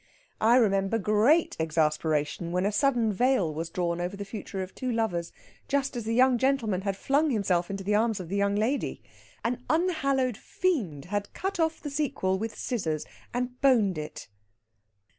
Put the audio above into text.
I remember great exasperation when a sudden veil was drawn over the future of two lovers just as the young gentleman had flung himself into the arms of the young lady. An unhallowed fiend had cut off the sequel with scissors and boned it!